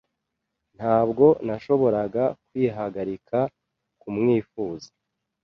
Ntabwo nashoboraga kwihagarika kumwifuza.